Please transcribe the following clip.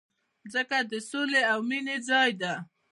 مځکه د سولې او مینې ځای ده.